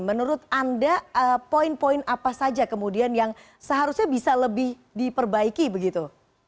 menurut anda poin poin apa saja kemudian yang seharusnya bisa lebih diperbaiki begitu